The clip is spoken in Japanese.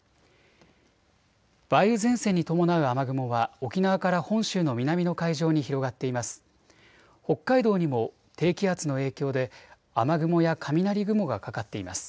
梅雨前線に伴う雨雲は沖縄から本州の南の海上に広がっています。